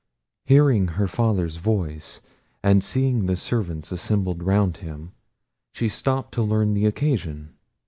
Hearing her father's voice, and seeing the servants assembled round him, she stopped to learn the occasion.